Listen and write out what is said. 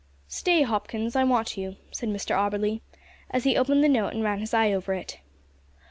"Stay, Hopkins, I want you," said Mr Auberly, as he opened the note and ran his eye over it.